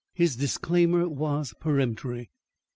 His disclaimer was peremptory.